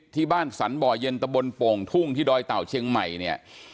ที่บ้านสรรบ่อเย็นตะบนโป่งทุ่งที่ดอยเต่าเชียงใหม่เนี่ย